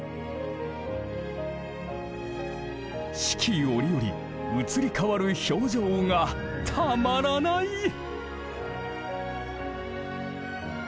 四季折々移り変わる表情がたまらない。